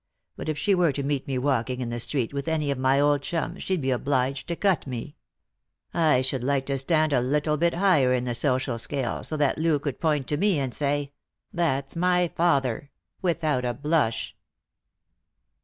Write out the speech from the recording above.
But if she were to meet me walking in the street with any of my old chums she'd be obliged to cut me. I should like to stand a little bit higher in the social scale, so that Loo could point to me, and say, ' That's my father,' without a blush."